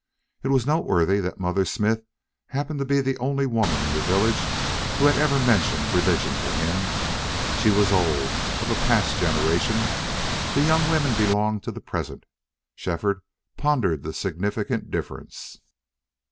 It was noteworthy that Mother Smith happened to be the only woman in the village who had ever mentioned religion to him. She was old, of a past generation; the young women belonged to the present. Shefford pondered the significant difference.